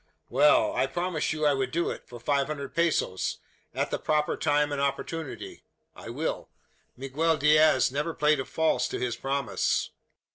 "Well; I promised you I would do it, for five hundred pesos at the proper time and opportunity. I will. Miguel Diaz never played false to his promise.